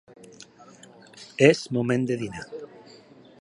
És moment de dinar.